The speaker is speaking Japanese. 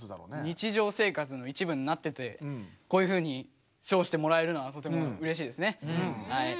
日じょう生活のいちぶになっててこういうふうに賞してもらえるのはとてもうれしいですね！